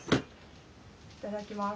いただきます。